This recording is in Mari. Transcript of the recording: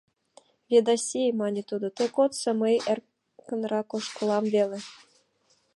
— Ведаси, — мане тудо, — те кодса, мый эркынрак ошкылам веле.